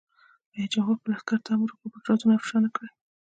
رئیس جمهور خپلو عسکرو ته امر وکړ؛ پټ رازونه افشا نه کړئ!